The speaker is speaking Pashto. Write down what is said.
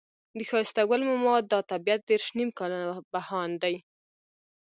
د ښایسته ګل ماما دا طبيعت دېرش نيم کاله بهاند دی.